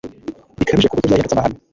bikabije ku buryo byahindutse amahano